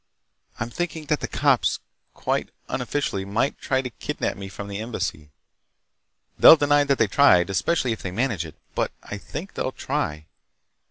"I'm thinking that the cops—quite unofficially—might try to kidnap me from the Embassy. They'll deny that they tried, especially if they manage it. But I think they'll try."